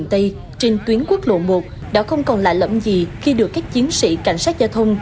trên tuyến quốc lộ một đã không còn lạ lẫm gì khi được các chiến sĩ cảnh sát giao thông